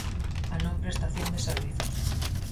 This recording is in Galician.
A non prestación de servizos.